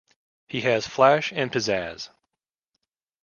He has flash and pizazz.